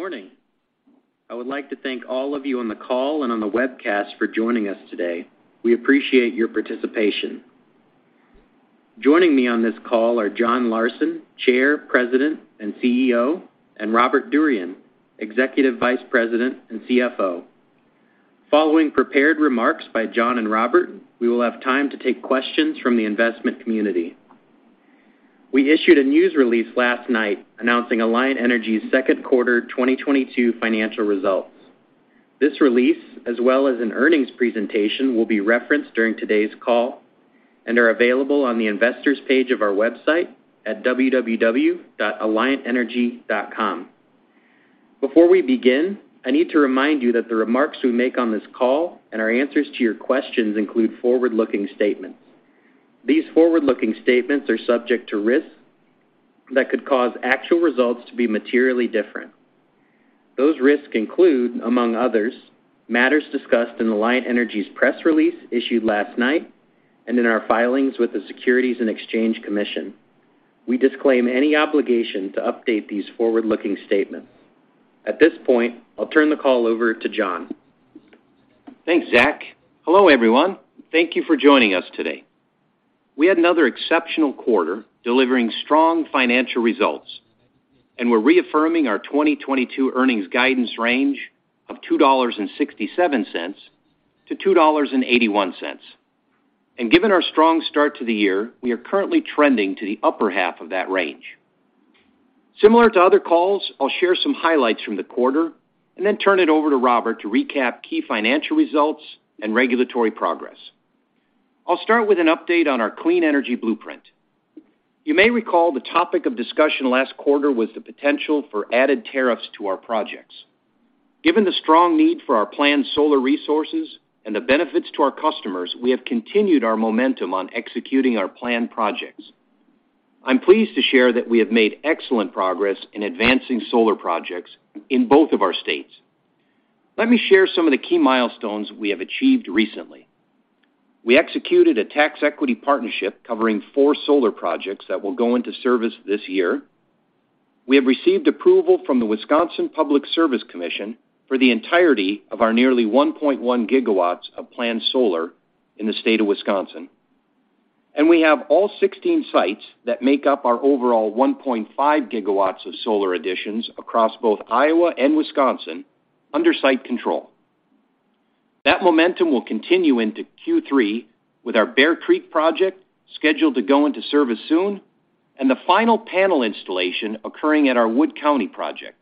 Morning. I would like to thank all of you on the call and on the webcast for joining us today. We appreciate your participation. Joining me on this call are John Larsen, Chair, President, and CEO, and Robert Durian, Executive Vice President and CFO. Following prepared remarks by John and Robert, we will have time to take questions from the investment community. We issued a news release last night announcing Alliant Energy's second quarter 2022 financial results. This release, as well as an earnings presentation, will be referenced during today's call and are available on the investors page of our website at www.alliantenergy.com. Before we begin, I need to remind you that the remarks we make on this call and our answers to your questions include forward-looking statements. These forward-looking statements are subject to risks that could cause actual results to be materially different. Those risks include, among others, matters discussed in Alliant Energy's press release issued last night and in our filings with the Securities and Exchange Commission. We disclaim any obligation to update these forward-looking statements. At this point, I'll turn the call over to John. Thanks, Zach. Hello, everyone. Thank you for joining us today. We had another exceptional quarter delivering strong financial results, and we're reaffirming our 2022 earnings guidance range of $2.67-$2.81. Given our strong start to the year, we are currently trending to the upper half of that range. Similar to other calls, I'll share some highlights from the quarter and then turn it over to Robert to recap key financial results and regulatory progress. I'll start with an update on our Clean Energy Blueprint. You may recall the topic of discussion last quarter was the potential for added tariffs to our projects. Given the strong need for our planned solar resources and the benefits to our customers, we have continued our momentum on executing our planned projects. I'm pleased to share that we have made excellent progress in advancing solar projects in both of our states. Let me share some of the key milestones we have achieved recently. We executed a tax equity partnership covering four solar projects that will go into service this year. We have received approval from the Public Service Commission of Wisconsin for the entirety of our nearly 1.1 gigawatts of planned solar in the state of Wisconsin. We have all 16 sites that make up our overall 1.5 gigawatts of solar additions across both Iowa and Wisconsin under site control. That momentum will continue into Q3 with our Bear Creek project scheduled to go into service soon and the final panel installation occurring at our Wood County project.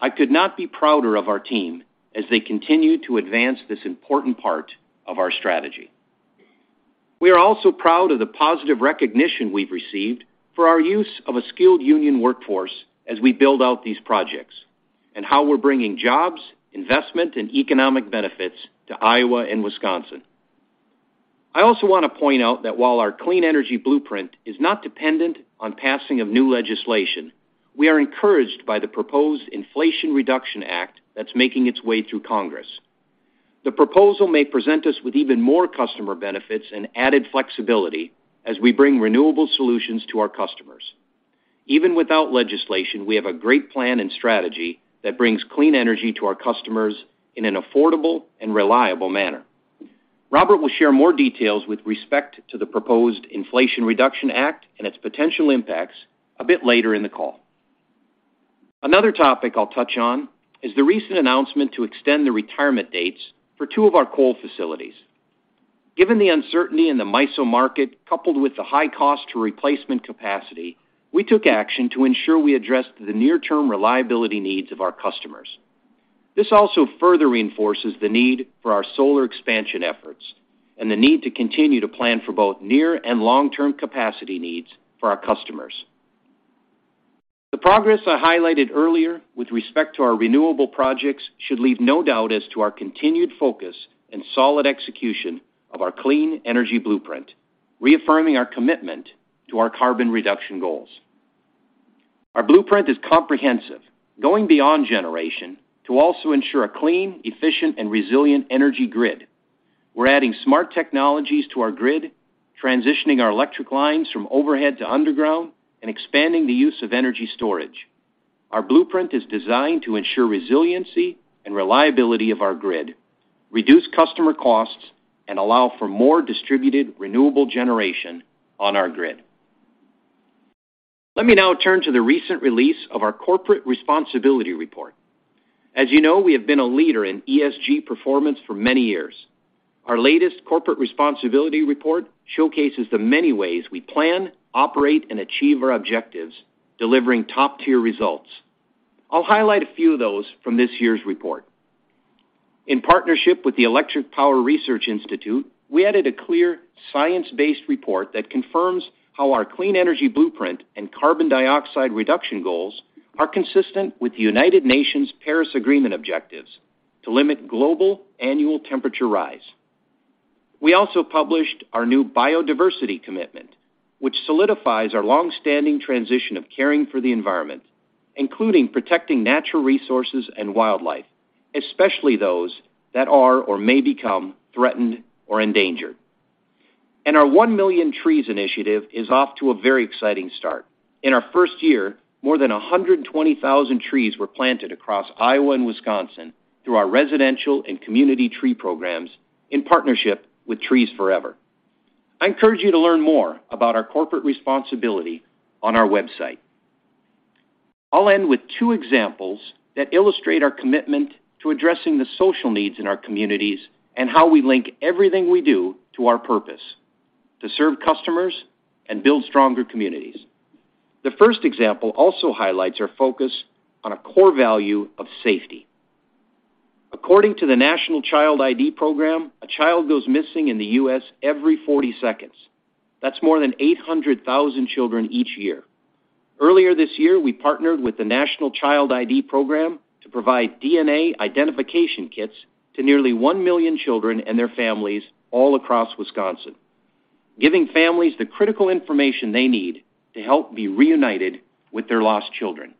I could not be prouder of our team as they continue to advance this important part of our strategy. We are also proud of the positive recognition we've received for our use of a skilled union workforce as we build out these projects and how we're bringing jobs, investment, and economic benefits to Iowa and Wisconsin. I also want to point out that while our Clean Energy Blueprint is not dependent on passing of new legislation, we are encouraged by the proposed Inflation Reduction Act that's making its way through Congress. The proposal may present us with even more customer benefits and added flexibility as we bring renewable solutions to our customers. Even without legislation, we have a great plan and strategy that brings clean energy to our customers in an affordable and reliable manner. Robert will share more details with respect to the proposed Inflation Reduction Act and its potential impacts a bit later in the call. Another topic I'll touch on is the recent announcement to extend the retirement dates for two of our coal facilities. Given the uncertainty in the MISO market, coupled with the high cost to replacement capacity, we took action to ensure we addressed the near-term reliability needs of our customers. This also further reinforces the need for our solar expansion efforts and the need to continue to plan for both near and long-term capacity needs for our customers. The progress I highlighted earlier with respect to our renewable projects should leave no doubt as to our continued focus and solid execution of our Clean Energy Blueprint, reaffirming our commitment to our carbon reduction goals. Our Clean Energy Blueprint is comprehensive, going beyond generation to also ensure a clean, efficient, and resilient energy grid. We're adding smart technologies to our grid, transitioning our electric lines from overhead to underground, and expanding the use of energy storage. Our Clean Energy Blueprint is designed to ensure resiliency and reliability of our grid, reduce customer costs, and allow for more distributed renewable generation on our grid. Let me now turn to the recent release of our corporate responsibility report. As you know, we have been a leader in ESG performance for many years. Our latest corporate responsibility report showcases the many ways we plan, operate, and achieve our objectives, delivering top-tier results. I'll highlight a few of those from this year's report. In partnership with the Electric Power Research Institute, we added a clear science-based report that confirms how our Clean Energy Blueprint and carbon dioxide reduction goals are consistent with the Paris Agreement objectives to limit global annual temperature rise. We also published our new biodiversity commitment, which solidifies our long-standing transition of caring for the environment, including protecting natural resources and wildlife, especially those that are or may become threatened or endangered. Our One Million Trees initiative is off to a very exciting start. In our first year, more than 120,000 trees were planted across Iowa and Wisconsin through our residential and community tree programs in partnership with Trees Forever. I encourage you to learn more about our corporate responsibility on our website. I'll end with two examples that illustrate our commitment to addressing the social needs in our communities and how we link everything we do to our purpose to serve customers and build stronger communities. The first example also highlights our focus on a core value of safety. According to the National Child ID Program, a child goes missing in the U.S. every 40 seconds. That's more than 800,000 children each year. Earlier this year, we partnered with the National Child ID Program to provide DNA identification kits to nearly 1 million children and their families all across Wisconsin, giving families the critical information they need to help be reunited with their lost children.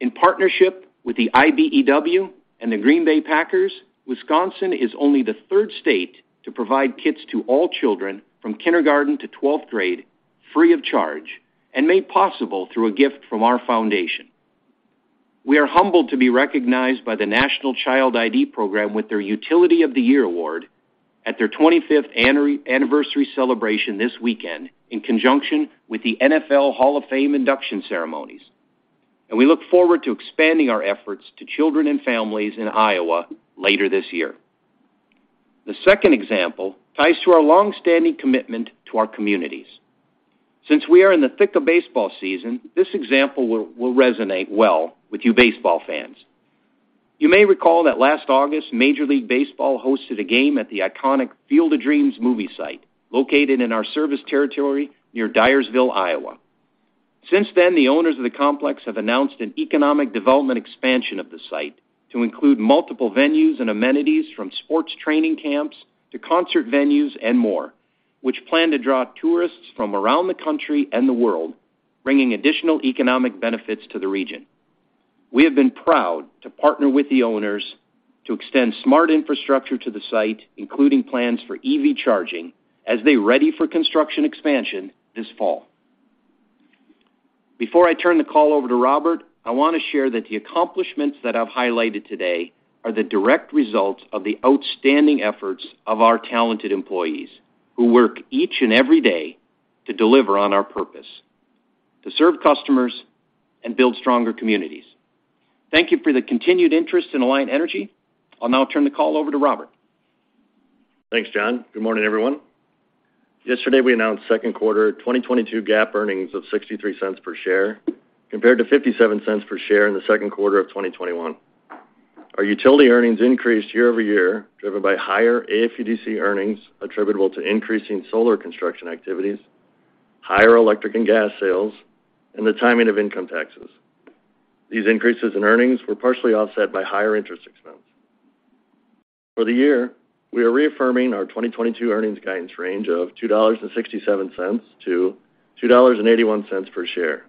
In partnership with the IBEW and the Green Bay Packers, Wisconsin is only the third state to provide kits to all children from kindergarten to twelfth grade free of charge and made possible through a gift from our foundation. We are humbled to be recognized by the National Child ID Program with their Utility of the Year award at their 25th anniversary celebration this weekend in conjunction with the NFL Hall of Fame induction ceremonies, and we look forward to expanding our efforts to children and families in Iowa later this year. The second example ties to our long-standing commitment to our communities. Since we are in the thick of baseball season, this example will resonate well with you baseball fans. You may recall that last August, Major League Baseball hosted a game at the iconic Field of Dreams movie site located in our service territory near Dyersville, Iowa. Since then, the owners of the complex have announced an economic development expansion of the site to include multiple venues and amenities from sports training camps to concert venues and more, which plan to draw tourists from around the country and the world, bringing additional economic benefits to the region. We have been proud to partner with the owners to extend smart infrastructure to the site, including plans for EV charging as they ready for construction expansion this fall. Before I turn the call over to Robert, I want to share that the accomplishments that I've highlighted today are the direct result of the outstanding efforts of our talented employees, who work each and every day to deliver on our purpose: to serve customers and build stronger communities. Thank you for the continued interest in Alliant Energy. I'll now turn the call over to Robert. Thanks, John. Good morning, everyone. Yesterday, we announced second quarter 2022 GAAP earnings of $0.63 per share, compared to $0.57 per share in the second quarter of 2021. Our utility earnings increased year-over-year, driven by higher AFUDC earnings attributable to increasing solar construction activities, higher electric and gas sales, and the timing of income taxes. These increases in earnings were partially offset by higher interest expense. For the year, we are reaffirming our 2022 earnings guidance range of $2.67-$2.81 per share.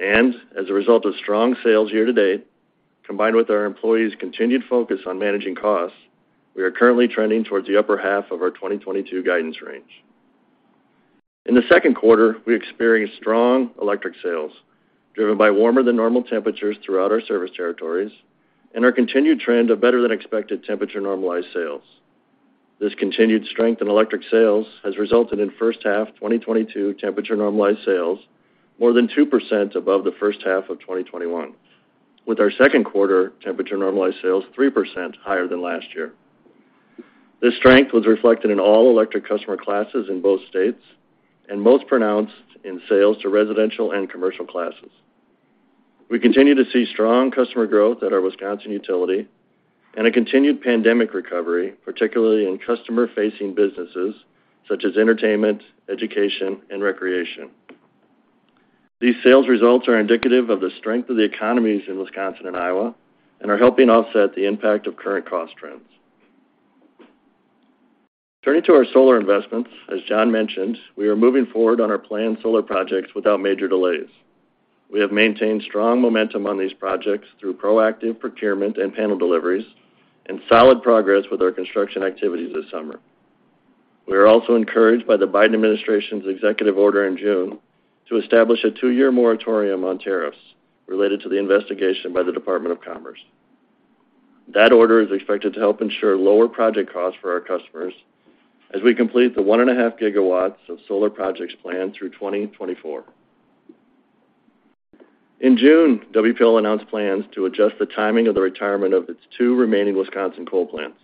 As a result of strong sales year to date, combined with our employees' continued focus on managing costs, we are currently trending towards the upper half of our 2022 guidance range. In the second quarter, we experienced strong electric sales, driven by warmer than normal temperatures throughout our service territories and our continued trend of better than expected temperature normalized sales. This continued strength in electric sales has resulted in first half 2022 temperature normalized sales more than 2% above the first half of 2021, with our second quarter temperature normalized sales 3% higher than last year. This strength was reflected in all electric customer classes in both states and most pronounced in sales to residential and commercial classes. We continue to see strong customer growth at our Wisconsin utility and a continued pandemic recovery, particularly in customer-facing businesses such as entertainment, education, and recreation. These sales results are indicative of the strength of the economies in Wisconsin and Iowa and are helping offset the impact of current cost trends. Turning to our solar investments, as John mentioned, we are moving forward on our planned solar projects without major delays. We have maintained strong momentum on these projects through proactive procurement and panel deliveries and solid progress with our construction activities this summer. We are also encouraged by the Biden administration's executive order in June to establish a 2-year moratorium on tariffs related to the investigation by the Department of Commerce. That order is expected to help ensure lower project costs for our customers as we complete the 1.5 gigawatts of solar projects planned through 2024. In June, WPL announced plans to adjust the timing of the retirement of its two remaining Wisconsin coal plants.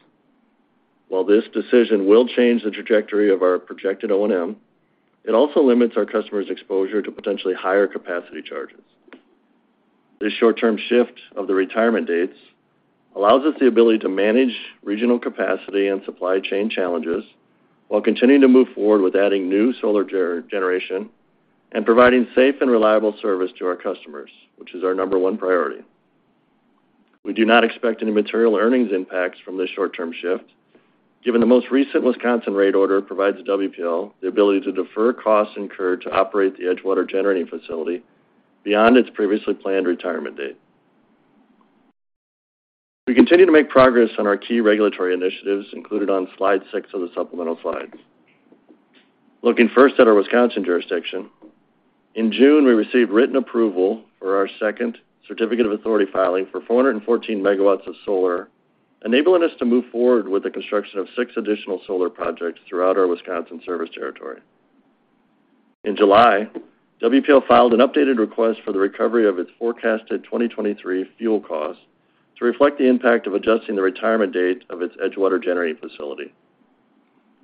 While this decision will change the trajectory of our projected O&M, it also limits our customers' exposure to potentially higher capacity charges. This short-term shift of the retirement dates allows us the ability to manage regional capacity and supply chain challenges while continuing to move forward with adding new solar generation and providing safe and reliable service to our customers, which is our number one priority. We do not expect any material earnings impacts from this short-term shift, given the most recent Wisconsin rate order provides WPL the ability to defer costs incurred to operate the Edgewater generating facility beyond its previously planned retirement date. We continue to make progress on our key regulatory initiatives included on slide six of the supplemental slides. Looking first at our Wisconsin jurisdiction, in June, we received written approval for our second certificate of authority filing for 414 megawatts of solar, enabling us to move forward with the construction of six additional solar projects throughout our Wisconsin service territory. In July, WPL filed an updated request for the recovery of its forecasted 2023 fuel costs to reflect the impact of adjusting the retirement date of its Edgewater generating facility.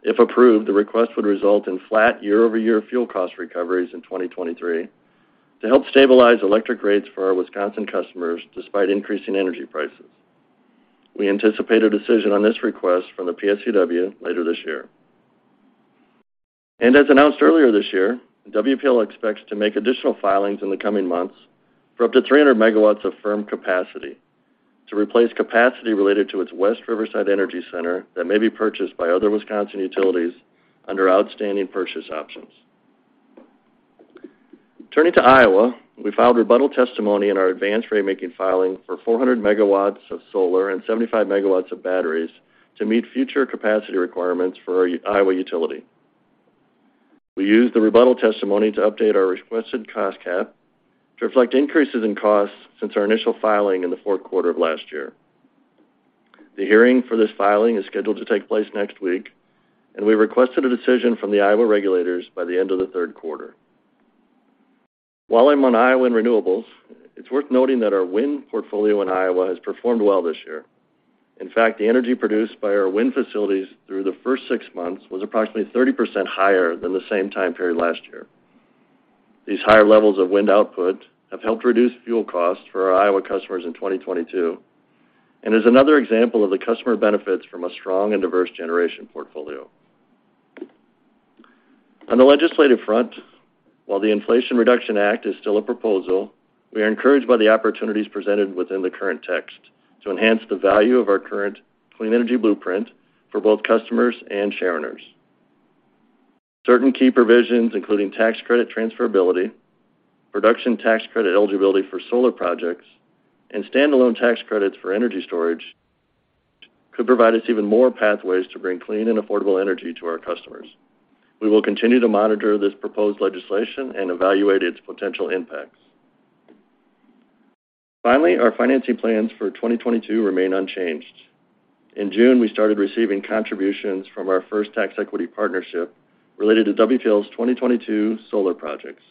If approved, the request would result in flat year-over-year fuel cost recoveries in 2023 to help stabilize electric rates for our Wisconsin customers despite increasing energy prices. We anticipate a decision on this request from the PSCW later this year. As announced earlier this year, WPL expects to make additional filings in the coming months for up to 300 megawatts of firm capacity to replace capacity related to its West Riverside Energy Center that may be purchased by other Wisconsin utilities under outstanding purchase options. Turning to Iowa, we filed rebuttal testimony in our advanced ratemaking filing for 400 megawatts of solar and 75 megawatts of batteries to meet future capacity requirements for our Iowa utility. We used the rebuttal testimony to update our requested cost cap to reflect increases in costs since our initial filing in the fourth quarter of last year. The hearing for this filing is scheduled to take place next week, and we requested a decision from the Iowa regulators by the end of the third quarter. While I'm on Iowa and renewables, it's worth noting that our wind portfolio in Iowa has performed well this year. In fact, the energy produced by our wind facilities through the first six months was approximately 30% higher than the same time period last year. These higher levels of wind output have helped reduce fuel costs for our Iowa customers in 2022 and is another example of the customer benefits from a strong and diverse generation portfolio. On the legislative front, while the Inflation Reduction Act is still a proposal, we are encouraged by the opportunities presented within the current text to enhance the value of our current Clean Energy Blueprint for both customers and shareowners. Certain key provisions, including tax credit transferability, Production Tax Credit eligibility for solar projects, and standalone tax credits for energy storage, could provide us even more pathways to bring clean and affordable energy to our customers. We will continue to monitor this proposed legislation and evaluate its potential impacts. Finally, our financing plans for 2022 remain unchanged. In June, we started receiving contributions from our first tax equity partnership related to WPL's 2022 solar projects,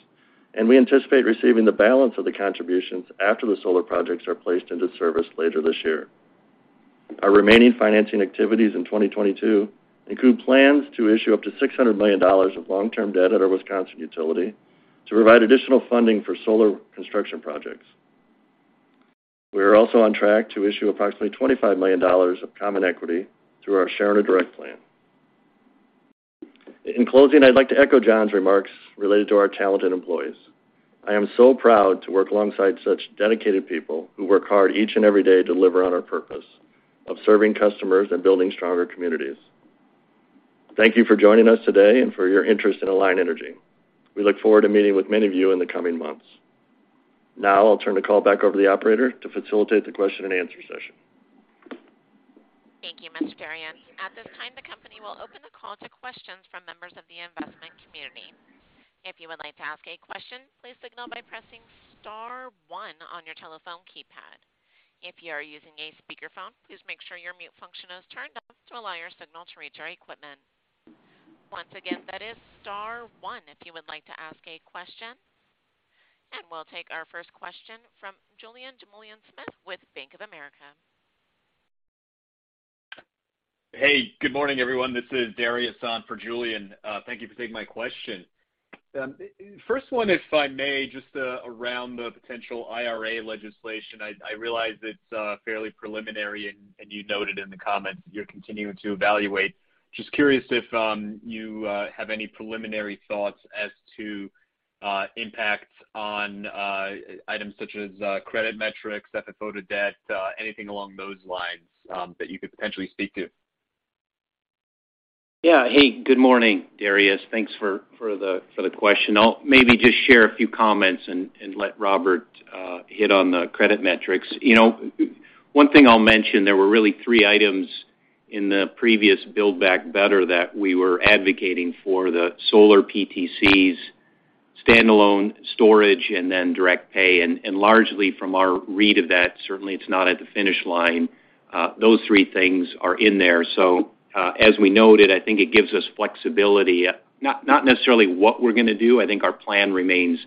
and we anticipate receiving the balance of the contributions after the solar projects are placed into service later this year. Our remaining financing activities in 2022 include plans to issue up to $600 million of long-term debt at our Wisconsin utility to provide additional funding for solar construction projects. We are also on track to issue approximately $25 million of common equity through our Shareowner Direct Plan. In closing, I'd like to echo John's remarks related to our talented employees. I am so proud to work alongside such dedicated people who work hard each and every day to deliver on our purpose of serving customers and building stronger communities. Thank you for joining us today and for your interest in Alliant Energy. We look forward to meeting with many of you in the coming months. Now I'll turn the call back over to the operator to facilitate the question-and-answer session. Thank you much, Durian. At this time, the company will open the call to questions from members of the investment community. If you would like to ask a question, please signal by pressing star one on your telephone keypad. If you are using a speakerphone, please make sure your mute function is turned off to allow your signal to reach our equipment. Once again, that is star one if you would like to ask a question. We'll take our first question from Julien Dumoulin-Smith with Bank of America. Hey, good morning, everyone. This is Darius on for Julien. Thank you for taking my question. First one, if I may, just around the potential IRA legislation. I realize it's fairly preliminary, and you noted in the comments you're continuing to evaluate. Just curious if you have any preliminary thoughts as to impacts on items such as credit metrics, FFO to debt, anything along those lines, that you could potentially speak to? Yeah. Hey, good morning, Darius. Thanks for the question. I'll maybe just share a few comments and let Robert hit on the credit metrics. You know, one thing I'll mention, there were really three items in the previous Build Back Better that we were advocating for, the solar PTCs, standalone storage, and then direct pay. Largely from our read of that, certainly it's not at the finish line, those three things are in there. As we noted, I think it gives us flexibility, not necessarily what we're gonna do. I think our plan remains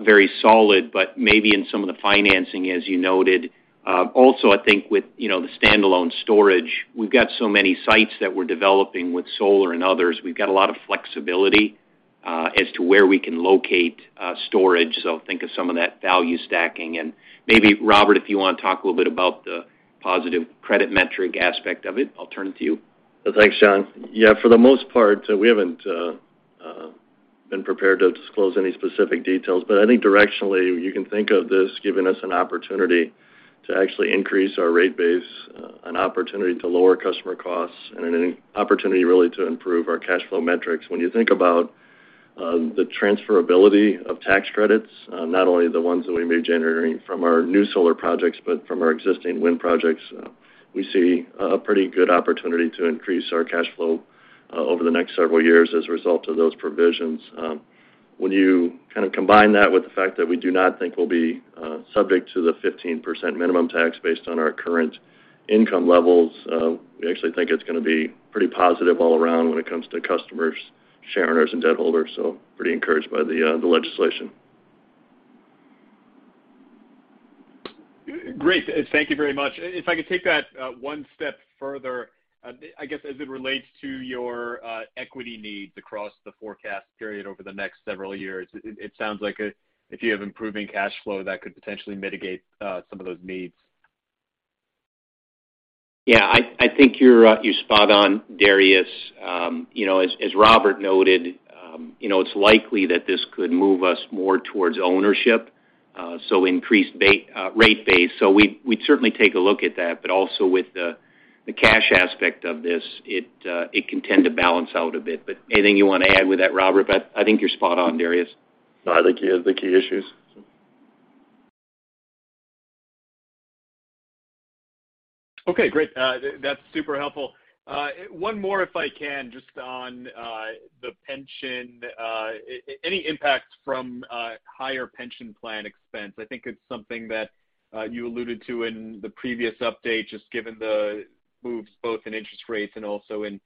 very solid, but maybe in some of the financing, as you noted. Also, I think with the standalone storage, we've got so many sites that we're developing with solar and others. We've got a lot of flexibility as to where we can locate storage, so think of some of that value stacking. Maybe, Robert, if you want to talk a little bit about the positive credit metric aspect of it, I'll turn it to you. Thanks, John. Yeah, for the most part, we haven't been prepared to disclose any specific details, but I think directionally, you can think of this giving us an opportunity to actually increase our rate base, an opportunity to lower customer costs, and an opportunity really to improve our cash flow metrics. When you think about the transferability of tax credits, not only the ones that we may be generating from our new solar projects, but from our existing wind projects. We see a pretty good opportunity to increase our cash flow over the next several years as a result of those provisions. When you kind of combine that with the fact that we do not think we'll be subject to the 15% minimum tax based on our current income levels, we actually think it's gonna be pretty positive all around when it comes to customers, shareowners, and debtholders. Pretty encouraged by the legislation. Great. Thank you very much. If I could take that, one step further, I guess, as it relates to your equity needs across the forecast period over the next several years, it sounds like if you have improving cash flow, that could potentially mitigate some of those needs. Yeah. I think you're spot on, Darius. You know, as Robert noted, you know, it's likely that this could move us more towards ownership, so increased rate base. We'd certainly take a look at that. Also with the cash aspect of this, it can tend to balance out a bit. Anything you wanna add with that, Robert? I think you're spot on, Darius. No, I think you have the key issues. Okay, great. That's super helpful. One more if I can just on the pension. Any impact from higher pension plan expense? I think it's something that you alluded to in the previous update, just given the moves both in interest rates and also in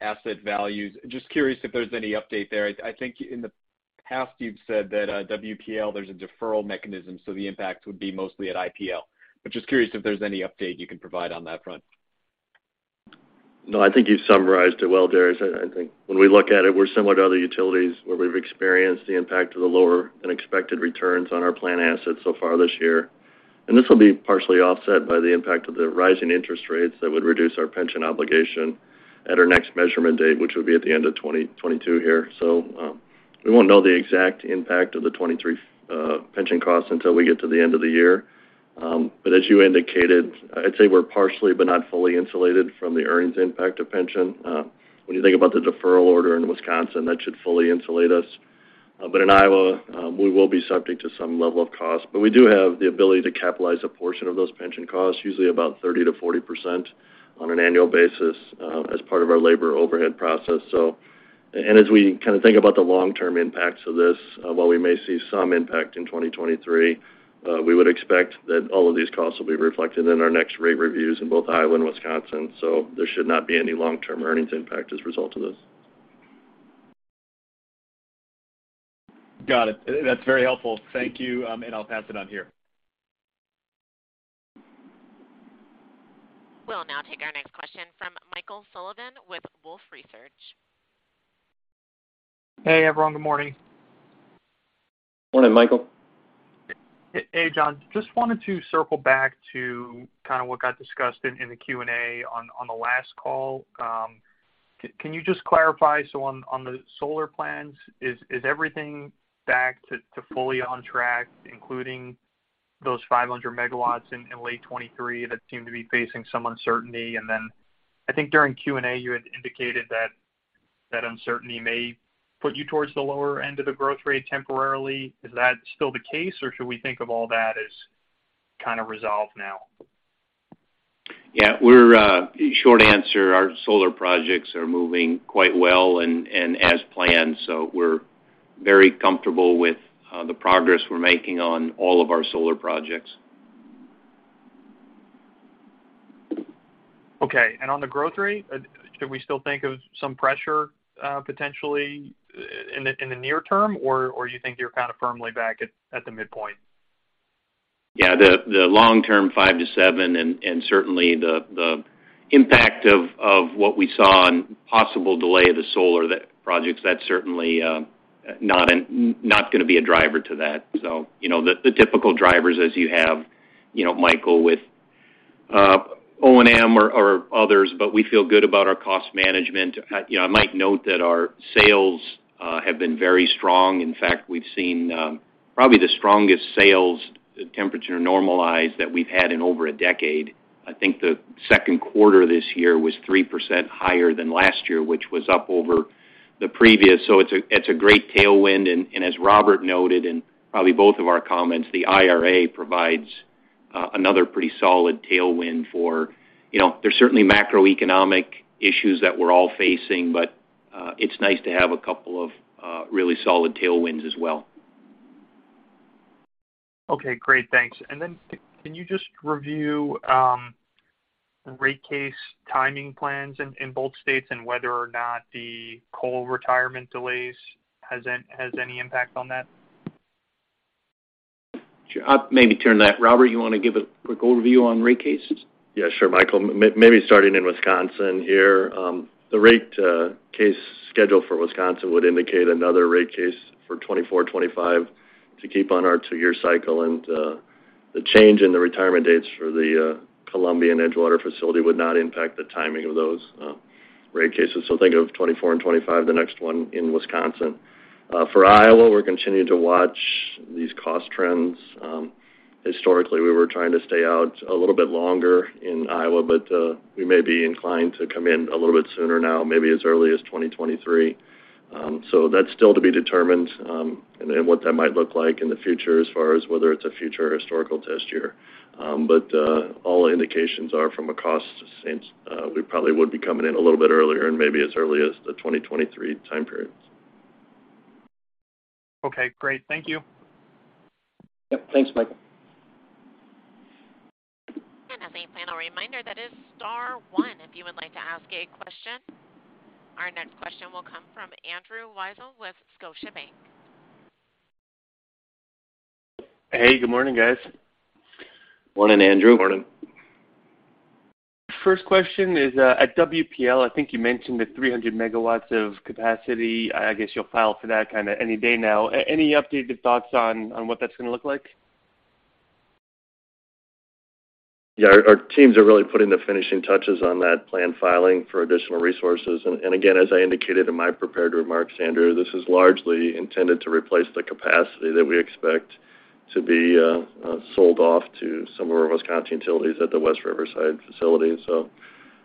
asset values. Just curious if there's any update there. I think in the past you've said that WPL, there's a deferral mechanism, so the impact would be mostly at IPL. Just curious if there's any update you can provide on that front. No, I think you summarized it well, Darius. I think when we look at it, we're similar to other utilities where we've experienced the impact of the lower-than-expected returns on our plan assets so far this year. This will be partially offset by the impact of the rising interest rates that would reduce our pension obligation at our next measurement date, which would be at the end of 2022 here. We won't know the exact impact of the 2023 pension costs until we get to the end of the year. As you indicated, I'd say we're partially but not fully insulated from the earnings impact of pension. When you think about the deferral order in Wisconsin, that should fully insulate us. In Iowa, we will be subject to some level of cost, but we do have the ability to capitalize a portion of those pension costs, usually about 30%-40% on an annual basis, as part of our labor overhead process. As we kind of think about the long-term impacts of this, while we may see some impact in 2023, we would expect that all of these costs will be reflected in our next rate reviews in both Iowa and Wisconsin, so there should not be any long-term earnings impact as a result of this. Got it. That's very helpful. Thank you. I'll pass it on here. We'll now take our next question from Michael Sullivan with Wolfe Research. Hey, everyone. Good morning. Morning, Michael. Hey, John. Just wanted to circle back to kind of what got discussed in the Q&A on the last call. Can you just clarify, so on the solar plans, is everything back to fully on track, including those 500 megawatts in late 2023 that seem to be facing some uncertainty? Then I think during Q&A, you had indicated that that uncertainty may put you towards the lower end of the growth rate temporarily. Is that still the case, or should we think of all that as kind of resolved now? Yeah. We're, short answer, our solar projects are moving quite well and as planned, so we're very comfortable with the progress we're making on all of our solar projects. Okay. On the growth rate, should we still think of some pressure, potentially in the near term, or you think you're kind of firmly back at the midpoint? The long-term 5-7, and certainly the impact of what we saw in possible delay of the solar projects, that's certainly not gonna be a driver to that. You know, the typical drivers as you have, you know, Michael, with O&M or others, but we feel good about our cost management. You know, I might note that our sales have been very strong. In fact, we've seen probably the strongest sales temperature normalized that we've had in over a decade. I think the second quarter this year was 3% higher than last year, which was up over the previous. It's a great tailwind, and as Robert noted, and probably both of our comments, the IRA provides another pretty solid tailwind for. You know, there's certainly macroeconomic issues that we're all facing, but it's nice to have a couple of really solid tailwinds as well. Okay, great. Thanks. Can you just review rate case timing plans in both states and whether or not the coal retirement delays has any impact on that? Sure. I'll maybe turn that. Robert, you wanna give a quick overview on rate cases? Yeah, sure, Michael. Maybe starting in Wisconsin here. The rate case schedule for Wisconsin would indicate another rate case for 2024, 2025 to keep on our 2-year cycle. The change in the retirement dates for the Columbia and Edgewater facility would not impact the timing of those rate cases. Think of 2024 and 2025, the next one in Wisconsin. For Iowa, we're continuing to watch these cost trends. Historically, we were trying to stay out a little bit longer in Iowa, but we may be inclined to come in a little bit sooner now, maybe as early as 2023. That's still to be determined, and then what that might look like in the future as far as whether it's a future historical test year. All indications are from a cost sense, we probably would be coming in a little bit earlier and maybe as early as the 2023 time periods. Okay, great. Thank you. Yep. Thanks, Michael. As a final reminder, that is star one if you would like to ask a question. Our next question will come from Andrew Weisel with Scotiabank. Hey, good morning, guys. Morning, Andrew. Morning. First question is, at WPL, I think you mentioned the 300 MW of capacity. I guess you'll file for that kinda any day now. Any updated thoughts on what that's gonna look like? Yeah. Our teams are really putting the finishing touches on that plan filing for additional resources. Again, as I indicated in my prepared remarks, Andrew, this is largely intended to replace the capacity that we expect to be sold off to some of our Wisconsin utilities at the West Riverside facility.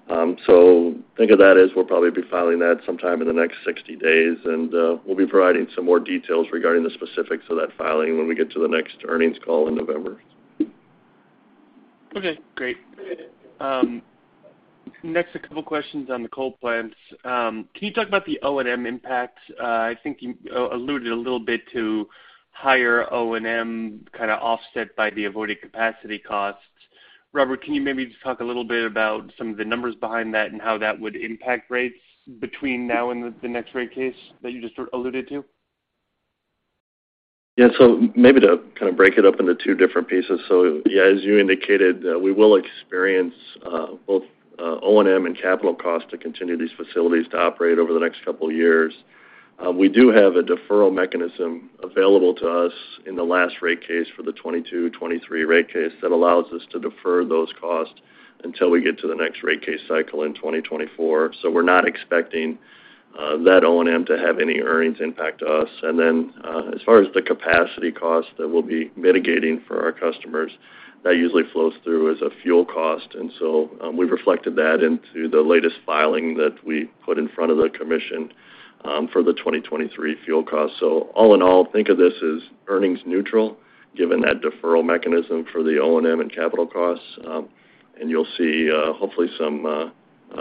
Think of that as we'll probably be filing that sometime in the next 60 days, and we'll be providing some more details regarding the specifics of that filing when we get to the next earnings call in November. Okay, great. Next, a couple questions on the coal plants. Can you talk about the O&M impact? I think you alluded a little bit to higher O&M kinda offset by the avoided capacity costs. Robert, can you maybe just talk a little bit about some of the numbers behind that and how that would impact rates between now and the next rate case that you just sort of alluded to? Yeah. Maybe to kind of break it up into two different pieces. Yeah, as you indicated, we will experience both O&M and capital costs to continue these facilities to operate over the next couple years. We do have a deferral mechanism available to us in the last rate case for the 2022-2023 rate case that allows us to defer those costs until we get to the next rate case cycle in 2024. We're not expecting that O&M to have any earnings impact to us. As far as the capacity cost that we'll be mitigating for our customers, that usually flows through as a fuel cost. We've reflected that into the latest filing that we put in front of the commission for the 2023 fuel costs. All in all, think of this as earnings neutral, given that deferral mechanism for the O&M and capital costs. You'll see, hopefully some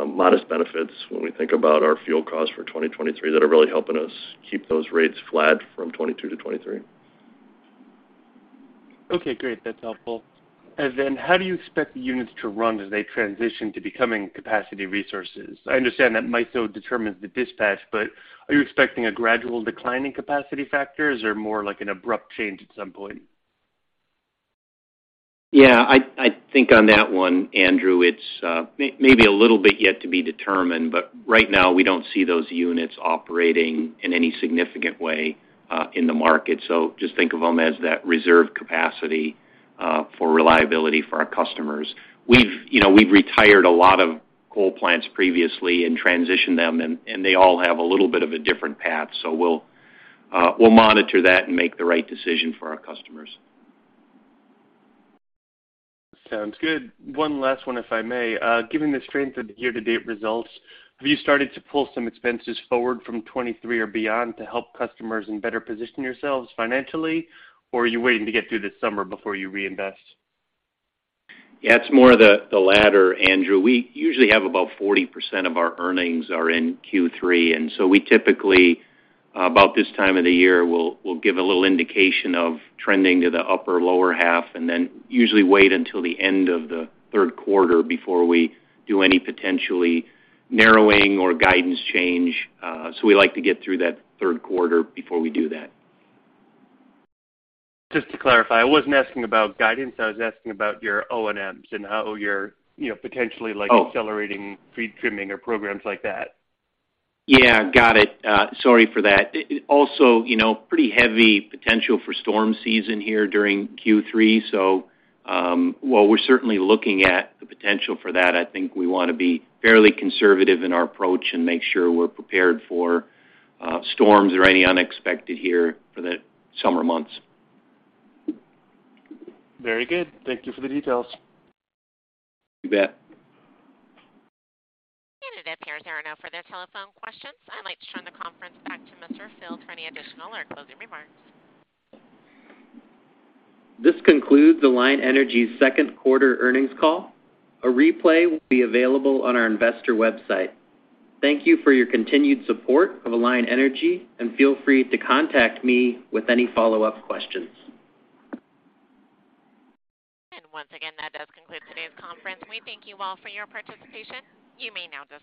modest benefits when we think about our fuel costs for 2023 that are really helping us keep those rates flat from 2022 to 2023. Okay, great. That's helpful. How do you expect the units to run as they transition to becoming capacity resources? I understand that MISO determines the dispatch, but are you expecting a gradual decline in capacity factors or more like an abrupt change at some point? Yeah. I think on that one, Andrew, it's maybe a little bit yet to be determined, but right now, we don't see those units operating in any significant way, in the market. Just think of them as that reserve capacity for reliability for our customers. We've retired a lot of coal plants previously and transitioned them and they all have a little bit of a different path. We'll monitor that and make the right decision for our customers. Sounds good. One last one, if I may. Given the strength of the year-to-date results, have you started to pull some expenses forward from 2023 or beyond to help customers and better position yourselves financially, or are you waiting to get through this summer before you reinvest? Yeah, it's more the latter, Andrew. We usually have about 40% of our earnings are in Q3, and we typically, about this time of the year, we'll give a little indication of trending to the upper, lower half and then usually wait until the end of the third quarter before we do any potentially narrowing or guidance change. We like to get through that third quarter before we do that. Just to clarify, I wasn't asking about guidance. I was asking about your O&Ms and how you're, you know, potentially like. Oh. accelerating fleet trimming or programs like that. Yeah, got it. Sorry for that. It also, you know, pretty heavy potential for storm season here during Q3. While we're certainly looking at the potential for that, I think we wanna be fairly conservative in our approach and make sure we're prepared for storms or any unexpected here for the summer months. Very good. Thank you for the details. You bet. It appears there are no further telephone questions. I'd like to turn the conference back to Zach Fields for any additional or closing remarks. This concludes Alliant Energy's second quarter earnings call. A replay will be available on our investor website. Thank you for your continued support of Alliant Energy, and feel free to contact me with any follow-up questions. Once again, that does conclude today's conference. We thank you all for your participation. You may now disconnect.